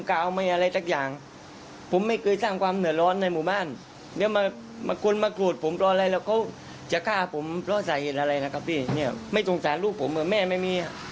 บ๊ายบอกว่าบอยเดี๋ยวกดทุกอย่างแล้ว